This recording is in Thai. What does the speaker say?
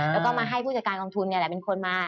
แล้วก็มาให้ผู้จัดการกองทุนนี่แหละเป็นคนมา